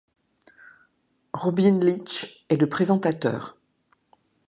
Robin Leach est le présentateur.